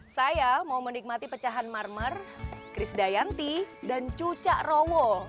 saya mau menikmati pecahan marmer chris dayanti dan cuca rowo